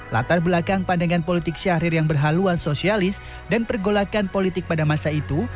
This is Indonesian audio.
latar belakang pandangan politik syahrir yang berhaluan sosialis dan pergolakan politik pada masa itu